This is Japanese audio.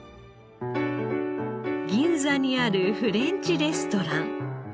銀座にあるフレンチレストラン。